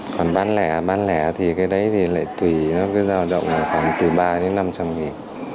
còn bán lẻ bán lẻ thì cái đấy thì lại tùy nó cứ giao động khoảng từ ba đến năm trăm linh nghìn